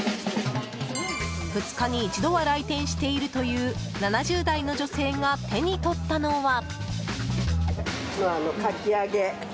２日に一度は来店しているという７０代の女性が手に取ったのは。